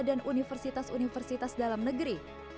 dan universitas universitas dalam negeri